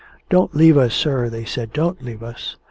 "Don't leave us, sir," they said, "don't leave us."